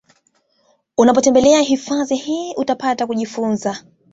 Unapotembelea hifafadhi hii unapata kujifunza